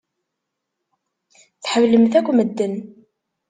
Tḥemmlemt akk medden.